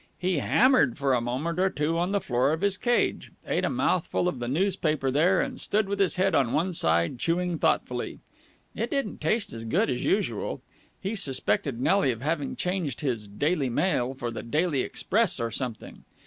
He hammered for a moment or two on the floor of his cage, ate a mouthful of the newspaper there, and stood with his head on one side, chewing thoughtfully. It didn't taste as good as usual. He suspected Nelly of having changed his Daily Mail for the Daily Express or something.